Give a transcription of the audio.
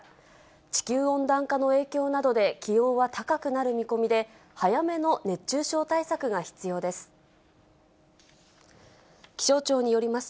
地球温暖化の影響などで気温は高くなる見込みで、早めの熱中症対策が必要です。